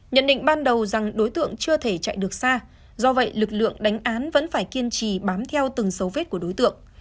nhận định ban đầu rằng đối tượng chưa thể chạy được xa do vậy lực lượng đánh án vẫn phải kiên trì bám theo từng dấu vết của đối tượng